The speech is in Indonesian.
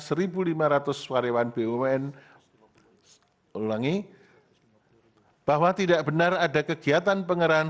seribu lima ratus karyawan bumn ulangi bahwa tidak benar ada kegiatan pengerahan